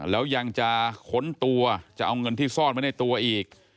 แล้วยังจะค้นตัวจะเอาเงินที่ซ่อนไว้ในตัวอีก